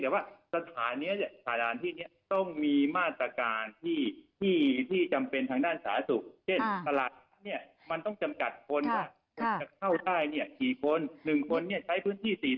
แต่ว่าสถานที่นี้ต้องมีมาตรการที่ที่จำเป็นทางด้านสาธุ